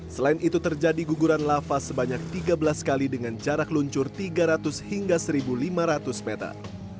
selain itu terjadi guguran lava sebanyak tiga belas kali dengan jarak luncur tiga ratus hingga satu lima ratus meter